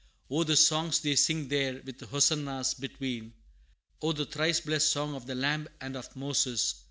O the songs they sing there, with hosannas between! O the thrice blessed song of the Lamb and of Moses!